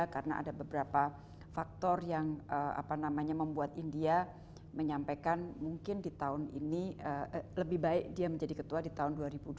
karena ada beberapa faktor yang membuat india menyampaikan mungkin di tahun ini lebih baik dia menjadi ketua di tahun dua ribu dua puluh tiga